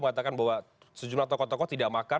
mengatakan bahwa sejumlah tokoh tokoh tidak makar